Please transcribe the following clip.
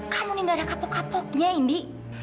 kamu ini nggak ada kapok kapoknya indi